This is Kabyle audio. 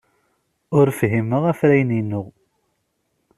Ur fhimeɣ afrayen-inu.